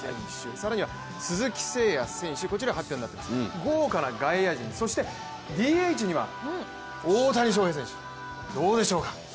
更には鈴木誠也選手、こちら発表になってます、豪華な外野陣、そしてＤＨには大谷翔平選手、どうでしょうか。